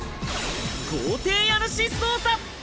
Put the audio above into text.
豪邸家主捜査！